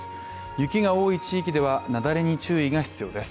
雪が多い地域では、雪崩に注意が必要です。